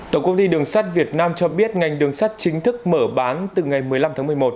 tổng công ty đường sắt việt nam cho biết ngành đường sắt chính thức mở bán từ ngày một mươi năm tháng một mươi một